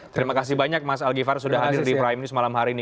terima kasih banyak mas al givhar sudah hadir di prime news malam hari ini